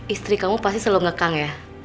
istri kamu pasti selalu ngekang ya